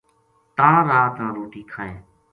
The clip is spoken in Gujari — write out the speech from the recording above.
تاں رات نا روٹی کھائے